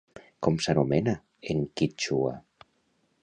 Com s'anomena en quítxua?